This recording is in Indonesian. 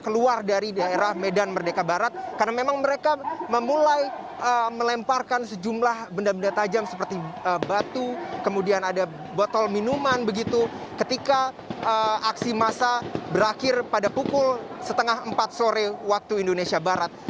kami belum mengetahui secara pasti apa niat dan tujuan dari sejumlah masa yang berakhir pada pukul setengah empat sore waktu indonesia barat